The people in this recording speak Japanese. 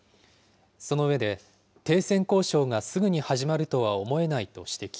その上で、停戦交渉がすぐに始まるとは思えないと指摘。